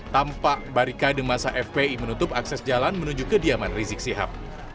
tampak barikade masa fpi menutup akses jalan menuju kediaman rizik sihab